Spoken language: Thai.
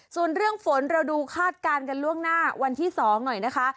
ส่วนเรื่องฝนเราดูคาดการณ์กันล่วงหน้าวันที่๒หน่อยนะคะ